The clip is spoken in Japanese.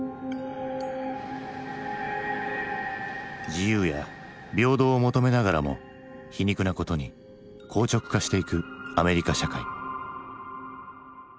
自由や平等を求めながらも皮肉なことに硬直化していくアメリカ社会。